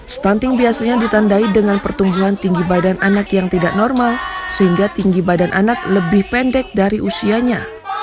stunting biasanya ditandai dengan pertumbuhan tinggi badan anak yang tidak normal sehingga tinggi badan anak lebih pendek dari usianya